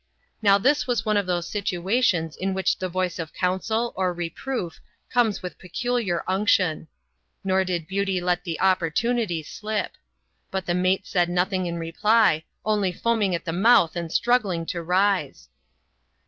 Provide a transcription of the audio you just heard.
Now this was one of those situations in which the voice of counsel, or reproof, comes with peculiar unction. Nor did Beauty let the opportunity slip. But the mate said nothing in reply, only foaming at the mouth and struggling to rise.